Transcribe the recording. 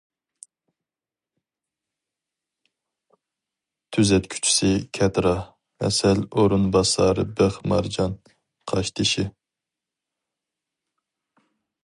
تۈزەتكۈچىسى كەتىرا، ھەسەل ئورۇنباسارى بىخ مارجان، قاشتېشى.